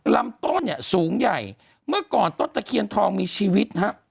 ลำต้นเนี่ยสูงใหญ่เมื่อก่อนต้นตะเคียนทองมีชีวิตฮะ